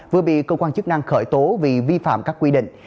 vừa bị cơ quan chức năng khởi tố vì vi phạm các quy định